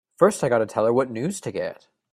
First I gotta tell her what news to get!